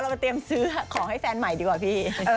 ไปเตรียมซื้อของให้แฟนใหม่ดีกว่าพี่